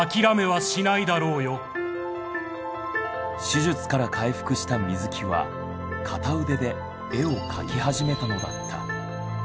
手術から回復した水木は片腕で絵を描き始めたのだった。